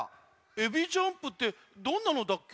エビジャンプってどんなのだっけ？